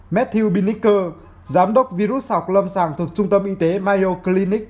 matthew binnicker giám đốc virus sọc lâm sàng thuộc trung tâm y tế mayo clinic